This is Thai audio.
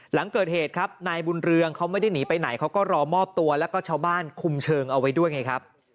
หลังเกิดเหตุครับนายบุญเรืองเขาไม่ได้หนีไปไหนเขาก็รอมอบตัวแล้วก็ชาวบ้านคุมเชิงเอาไว้ด้วยไงครับ